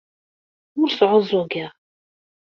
Ur sɛuẓẓugeɣ.